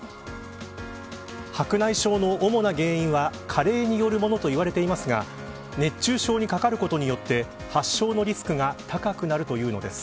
白内障の主な原因は加齢によるものといわれていますが熱中症にかかることによって発症のリスクが高くなるというのです。